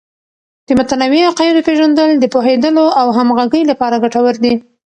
د متنوع عقایدو پیژندل د پوهیدلو او همغږۍ لپاره ګټور دی.